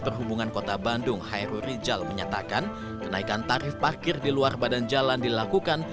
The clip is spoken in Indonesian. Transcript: perhubungan kota bandung hairu rijal menyatakan kenaikan tarif parkir di luar badan jalan dilakukan